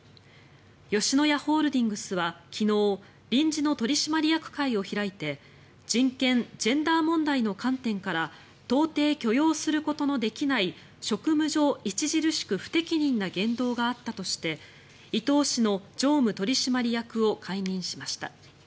吉野家ホールディングスは昨日臨時の取締役会を開いて人権・ジェンダー問題の観点から到底許容することのできない職務上著しく不適任な言動があったとして伊東氏の常務取締役を解任しました。